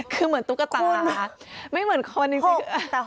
คือเหมือนตุ๊กตาไม่เหมือนคนจริง